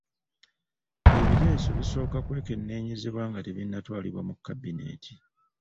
Ebiteeso bisooka kwekenneenyezebwa nga tebinnatwalibwa mu kabineeti.